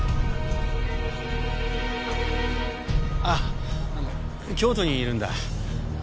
あ京都にいるんだ。